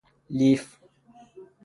لیف